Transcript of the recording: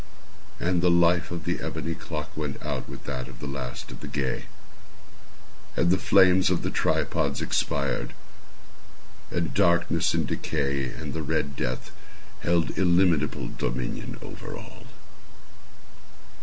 And the life of the ebony clock went out with that of the last of the gay. And the flames of the tripods expired. And Darkness and Decay and the Red Death held illimitable dominion over all.